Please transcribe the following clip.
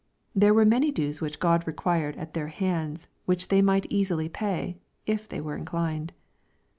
There were many dues which God required at their hands which they might easily pay, if they were inclined.